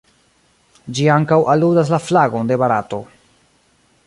Ĝi ankaŭ aludas la flagon de Barato.